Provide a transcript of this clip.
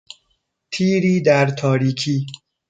تیری در تاریکی